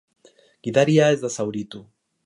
Gidaria ez da zauritu.